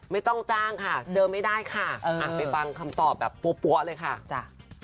ไม่ต้องจ้างค่ะเจอไม่ได้ค่ะไปฟังคำตอบแบบปั๊วเลยค่ะจ้ะ